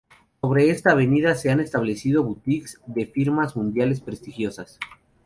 Sobre esta avenida se han establecido boutiques de firmas mundiales prestigiosas.